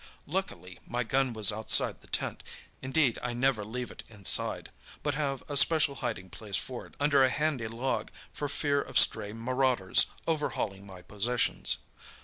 "Luckily, my gun was outside the tent—indeed I never leave it inside, but have a special hiding place for it under a handy log, for fear of stray marauders overhauling my possessions.